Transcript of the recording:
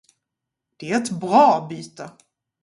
Det är ett bra byte!